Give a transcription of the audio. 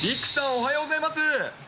おはようございます。